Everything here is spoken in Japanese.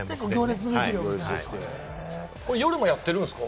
夜もやってるんですか？